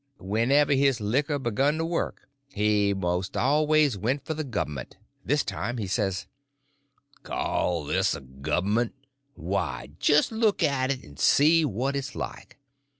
Whenever his liquor begun to work he most always went for the govment, this time he says: "Call this a govment! why, just look at it and see what it's like.